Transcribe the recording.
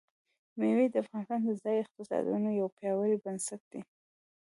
مېوې د افغانستان د ځایي اقتصادونو یو پیاوړی بنسټ دی.